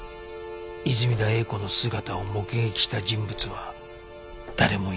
泉田栄子の姿を目撃した人物は誰もいない。